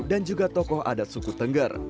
dan juga tokoh adat suku tengger